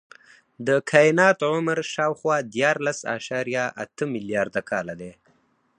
د کائنات عمر شاوخوا دیارلس اعشاریه اته ملیارده کاله دی.